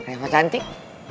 eh pak cantik